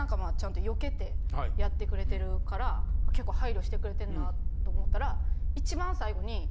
ちゃんとよけてやってくれてるから結構配慮してくれてんなと思ったら一番最後に。